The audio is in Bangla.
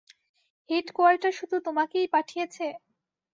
হেডকোয়ার্টার শুধু তোমাকেই পাঠিয়েছে?